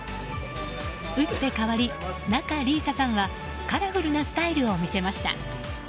打って変わり仲里依紗さんはカラフルなスタイルを見せました。